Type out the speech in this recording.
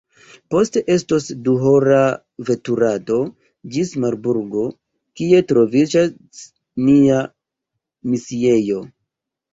Poste estos duhora veturado ĝis Marburgo, kie troviĝas nia misiejo.